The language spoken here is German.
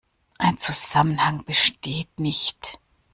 Ein Zusammenhang besteht nicht.